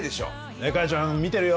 ねえ果耶ちゃん見てるよ。